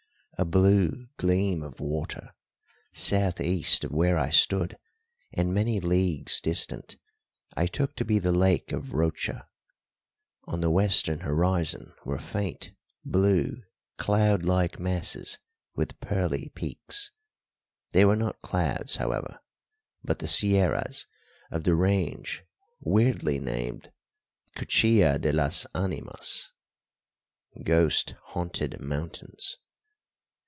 A blue gleam of water, south east of where I stood and many leagues distant, I took to be the lake of Rocha; on the western horizon were faint blue cloud like masses with pearly peaks. They were not clouds, however, but the sierras of the range weirdly named Cuchilla de las Animas Ghost haunted Mountains.